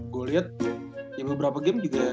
gua liat ya beberapa game juga